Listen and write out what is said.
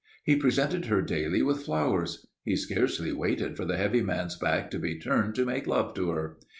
He presented her daily with flowers. He scarcely waited for the heavy man's back to be turned to make love to her.